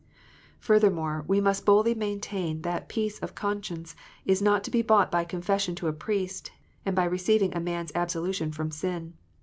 Furthermore, we must boldly maintain that peace of con science is not to be bought by confession to a priest, and by receiving a man s absolution from sin.